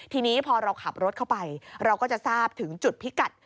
ทีนี้พอเราขับรถเข้าไปเราก็จะทราบถึงจุดพิกัด